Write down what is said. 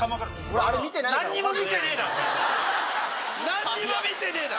何も見てねえな！